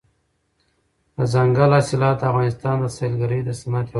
دځنګل حاصلات د افغانستان د سیلګرۍ د صنعت یوه برخه ده.